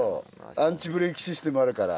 アンチブレーキシステムあるから。